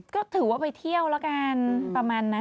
ก็ถือว่าไปเที่ยวแล้วกันประมาณนั้น